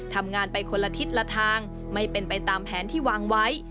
ทำงานไปคนละทิศละทางไม่เป็นไปตามแผนที่วางไว้